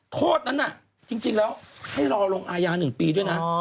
โทษนั้นน่ะจริงแล้วให้รอลงอายา๑ปีด้วยนะ